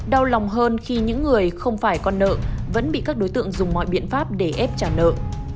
đau lòng hơn khi những người không phải con nợ vẫn bị các đối tượng dùng mọi biện pháp để ép trả nợ